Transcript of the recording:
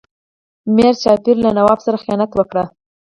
میر جعفر له نواب سره خیانت وکړ.